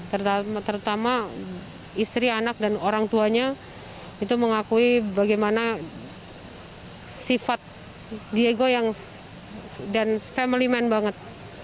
terutama istri anak dan orang tuanya itu mengakui bagaimana sifat diego yang family man banget